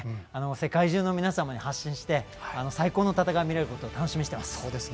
世界中の皆様に発信して最高の戦いが見れることを楽しみにしています。